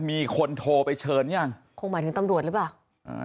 มีคนโทรไปเชิญยังคงหมายถึงตำรวจหรือเปล่าอ่า